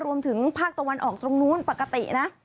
รวมถึงภาคตะวันออกตรงนู้นปกตินะ